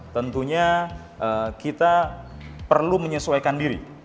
tentunya kita perlu menyesuaikan diri